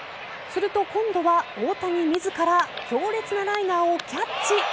すると今度は大谷自ら強烈なライナーをキャッチ。